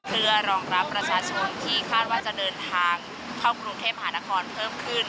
เพื่อรองรับประชาชนที่คาดว่าจะเดินทางเข้ากรุงเทพหานครเพิ่มขึ้น